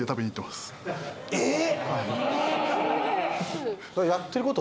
えっ！？